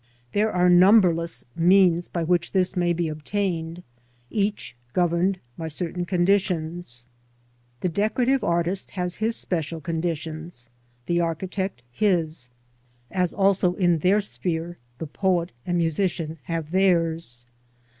TEere are numberless means by which this may be obtained, each governed by certain conditions. The decorative artist has his special conditions, the architect his, as also in their sphere the poet and musician have theirs.